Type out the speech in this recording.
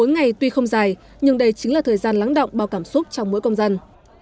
bốn ngày tuy không dài nhưng đây chính là thời gian lắng động bao cảm xúc trong mỗi công dân